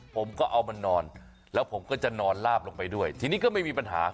ผมก็เอามันนอนแล้วผมก็จะนอนลาบลงไปด้วยทีนี้ก็ไม่มีปัญหา